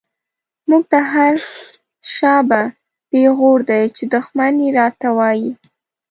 موږ ته هر” شا به” پيغور دی، چی دښمن يې را ته وايې